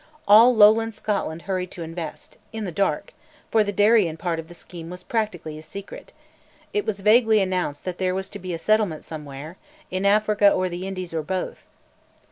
All lowland Scotland hurried to invest in the dark for the Darien part of the scheme was practically a secret: it was vaguely announced that there was to be a settlement somewhere, "in Africa or the Indies, or both."